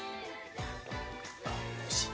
あっおいしい。